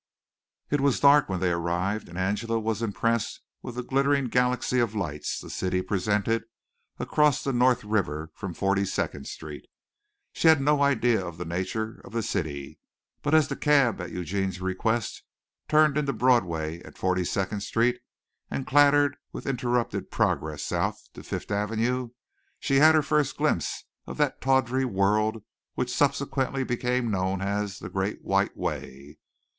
It was dark when they arrived and Angela was impressed with the glittering galaxy of lights the city presented across the North River from Forty second Street. She had no idea of the nature of the city, but as the cab at Eugene's request turned into Broadway at Forty second Street and clattered with interrupted progress south to Fifth Avenue she had her first glimpse of that tawdry world which subsequently became known as the "Great White Way."